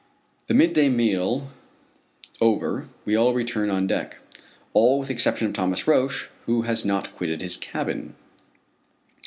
The midday meal over we all return on deck all with the exception of Thomas Roch, who has not quitted his cabin.